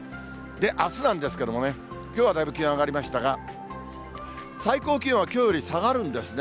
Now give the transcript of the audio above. あすなんですけれどもね、きょうはだいぶ気温上がりましたが、最高気温はきょうより下がるんですね。